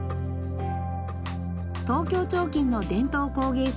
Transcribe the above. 東京彫金の伝統工芸士